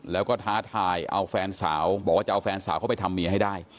แล้วก็ท้าทายเอาแฟนสาวบอกว่าจะเอาแฟนสาวเข้าไปทำเมียให้ได้